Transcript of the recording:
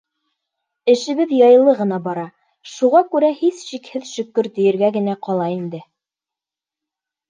Эшебеҙ яйлы ғына бара, шуға күрә, һис шикһеҙ, шөкөр тиергә генә ҡала инде.